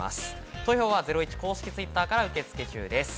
投票は『ゼロイチ』公式Ｔｗｉｔｔｅｒから受付中です。